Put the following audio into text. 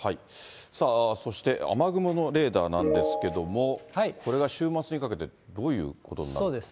さあそして、雨雲のレーダーなんですけれども、これが週末にかけて、どういうことになってる？